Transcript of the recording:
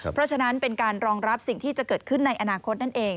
เพราะฉะนั้นเป็นการรองรับสิ่งที่จะเกิดขึ้นในอนาคตนั่นเอง